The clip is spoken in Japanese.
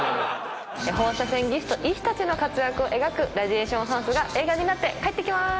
放射線技師と医師たちの活躍を描く『ラジエーションハウス』が映画になって帰ってきまーす。